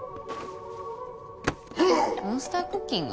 「モンスタークッキング」？